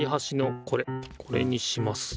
これにします。